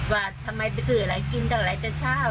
ว่าทำไมตื๊ออะไรกินตั้งกว่าร้ายกระช่าว